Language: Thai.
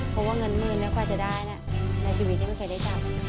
เพราะว่าเงินหมื่นแล้วกว่าจะได้นะในชีวิตที่ไม่เคยได้เจาะ